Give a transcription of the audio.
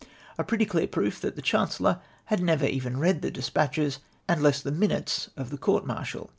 A pretty clear proof that the Chancellor had never even read the despatclies. and less the minutes of the court martial